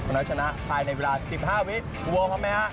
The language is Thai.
เพราะจะชนะในเวลา๑๕วิตคูณโบพร้อมไหมฮะ